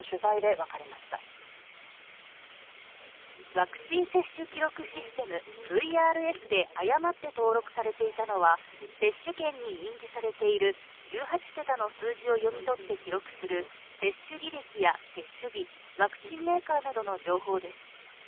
ワクチン接種記録システム＝ＶＲＳで誤って登録されていたのは接種券に印字されている１８桁の数字を読み取って記録する接種履歴や接種日ワクチンメーカーなどの情報です。